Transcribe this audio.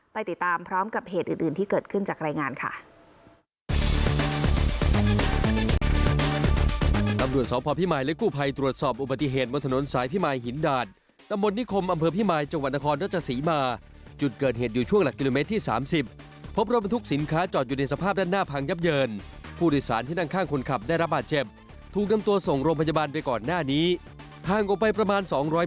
ไปติดตามพร้อมกับเหตุอื่นที่เกิดขึ้นจากรายงานค่ะ